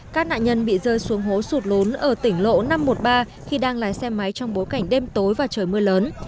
các nạn nhân bị rơi xuống hố sụt lốn ở tỉnh lộ năm trăm một mươi ba khi đang lái xe máy trong bối cảnh đêm tối và trời mưa lớn